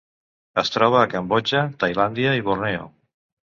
Es troba a Cambodja, Tailàndia i Borneo.